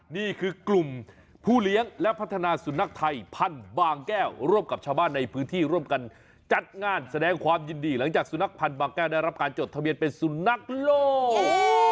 นี่คือกลุ่มผู้เลี้ยงและพัฒนาสุนัขไทยพันธุ์บางแก้วร่วมกับชาวบ้านในพื้นที่ร่วมกันจัดงานแสดงความยินดีหลังจากสุนัขพันธ์บางแก้วได้รับการจดทะเบียนเป็นสุนัขโลก